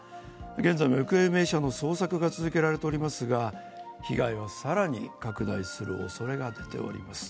現在も行方不明者の捜索が続けられておりますが被害は更に拡大するおそれが出ております。